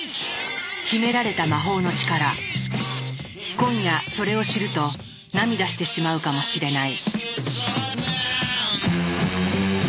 今夜それを知ると涙してしまうかもしれない。